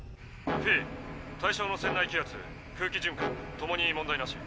「フィー対象の船内気圧空気循環ともに問題なし。